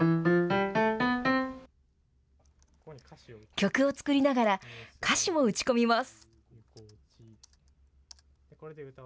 曲を作りながら、歌詞も打ち込みます。